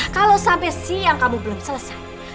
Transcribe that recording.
kalau sampai siang kamu belum selesai